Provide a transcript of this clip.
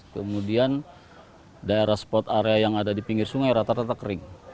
kemudian daerah spot area yang ada di pinggir sungai rata rata kering